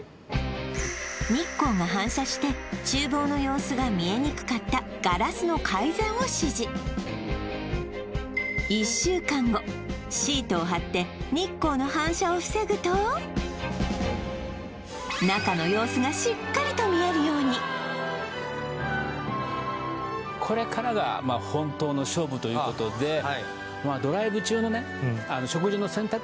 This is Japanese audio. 日光が反射して厨房の様子が見えにくかったガラスの改善を指示シートを貼って日光の反射を防ぐと中の様子がしっかりと見えるようにこれからがまあ本当の勝負ということでにですね